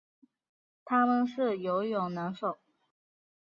它们是游泳能手。